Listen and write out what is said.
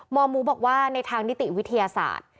หมอหมูบอกว่าในทางนิติวิทยาศาสตร์